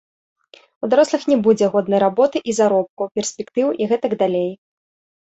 У дарослых не будзе годнай работы і заробку, перспектыў і гэтак далей.